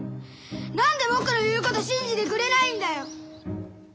何で僕の言うこと信じてくれないんだよ！